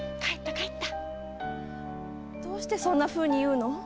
どうしてそんなふうに言うの？